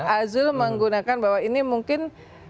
azul menggunakan bahwa ini mungkin